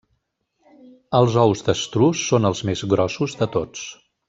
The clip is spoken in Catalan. Els ous d'estruç són els més grossos de tots.